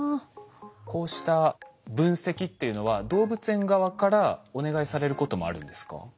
こうした分析っていうのは動物園側からお願いされることもあるんですか？